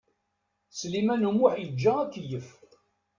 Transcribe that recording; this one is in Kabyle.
Sliman U Muḥ yeǧǧa akeyyef.